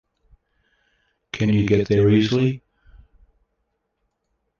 Can you get there easily?